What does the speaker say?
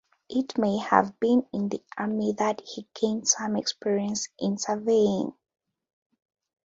It may have been in the army that he gained some experience in surveying.